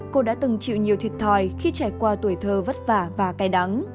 cô đã từng chịu nhiều thiệt thòi khi trải qua tuổi thơ vất vả và cay đắng